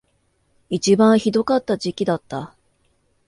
一番ひどかった時期だった